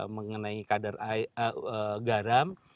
mengenai kadar garam